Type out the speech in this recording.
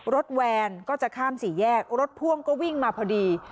แวนก็จะข้ามสี่แยกรถพ่วงก็วิ่งมาพอดี